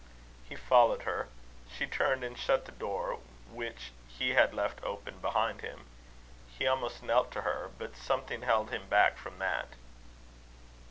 He followed her. She turned and shut the door, which he had left open behind him. He almost knelt to her; but something held him back from that.